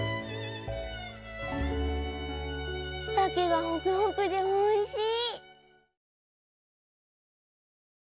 鮭がホクホクでおいしい！